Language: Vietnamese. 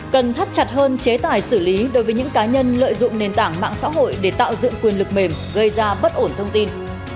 cần thắt chặt hơn chế tài xử lý đối với những cá nhân lợi dụng nền tảng mạng xã hội để tạo dựng quyền lực mềm gây ra bất ổn thông tin